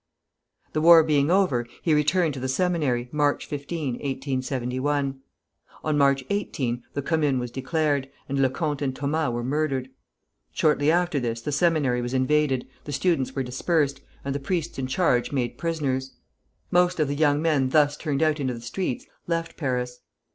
The war being over, he returned to the Seminary, March 15, 1871. On March 18 the Commune was declared, and Lecomte and Thomas were murdered; shortly after this the Seminary was invaded, the students were dispersed, and the priests in charge made prisoners. Most of the young men thus turned out into the streets left Paris.